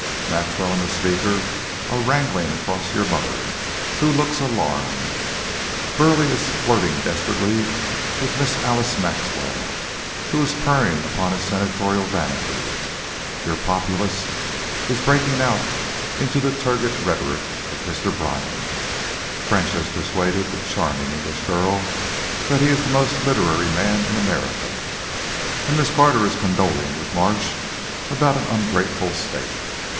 Maxwell and the Speaker are wrangling across your mother, who looks alarmed; Burleigh is flirting desperately with Miss Alice Maxwell, who is purring upon his senatorial vanity; your Populist is breaking out into the turgid rhetoric of Mr. Bryan; French has persuaded that charming English girl that he is the most literary man in America, and Miss Carter is condoling with March about an ungrateful State.